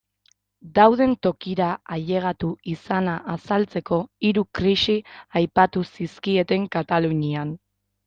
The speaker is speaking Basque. Dauden tokira ailegatu izana azaltzeko, hiru krisi aipatu zizkieten Katalunian.